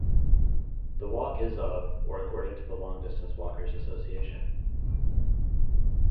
The walk is of (or according to the Long Distance Walkers Association).